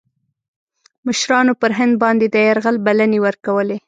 مشـرانو پر هند باندي د یرغل بلني ورکولې.